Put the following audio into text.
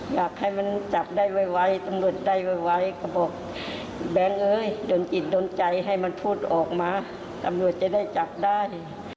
อยากให้มันจับได้ไวตำรวจได้ไวเขาบอกแบงค์เอ้ยดนจิตโดนใจให้มันพูดออกมาตำรวจจะได้จับได้